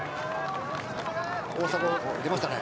大迫、出ましたね。